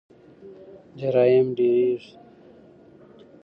جرایم ډیریږي.